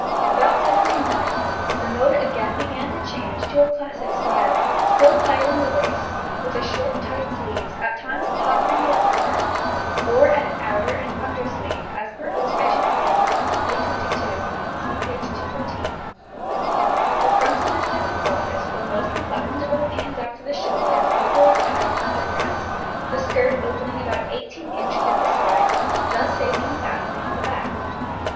[Illustration: FIG. 101.] About 1790 the mode again began to change to a classic style, still higher in the waist, with a short tight sleeve, at times puffed in the upper part, or an outer and under sleeve, as per illustration A, Plate XXII (see p. 215). The fronts of this type of bodice were mostly buttoned or pinned up to the shoulders over a tight underfront, the skirt opening about 18 inches at the sides, thus saving a fastening at the back.